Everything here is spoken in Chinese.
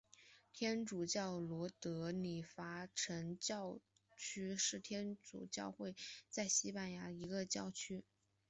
天主教罗德里戈城教区是天主教会在西班牙的一个教区。